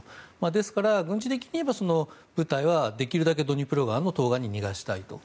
ですから軍事的に言えばその部隊はできるだけドニプロ川の東岸に逃がしたいと。